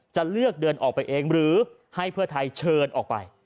จะเลือกเดินออกไปเองหรือให้เพื่อไทยเชิญออกไป